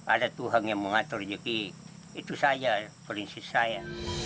ada tuhan yang mengatur juga itu saja perinsis saya